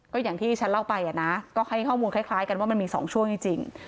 ก็อย่างที่ฉันเล่าไปอ่ะนะก็ให้ข้อมูลคล้ายกันว่ามันมี๒ช่วงจริง